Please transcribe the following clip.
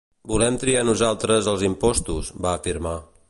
Volem triar nosaltres els impostos, va afirmar.